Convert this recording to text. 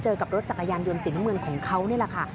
เจอกับรถจักรยานยนต์สินเมืองของเขานี่แหละค่ะ